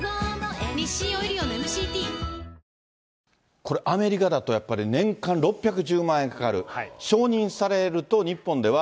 これ、アメリカだとやっぱり、年間６１０万円かかる、承認されると日本では。